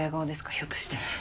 ひょっとして。